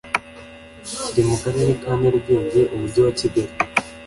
kiri mu karere ka nyarugenge umujyi wa kigali